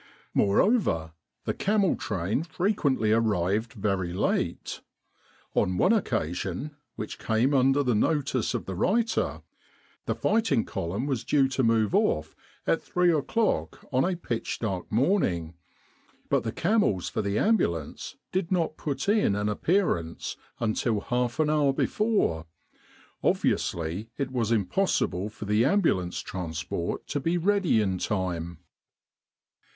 Moreover, the camel train frequently arrived very late. On one occasion which came under the notice of the writer, the fight ing column was due to move off at three o'clock on a pitch dark morning, but the camels for the Ambul ance did not put in an appearance until half an hour before. Obviously it was impossible for the Ambul ance Transport to be ready in time.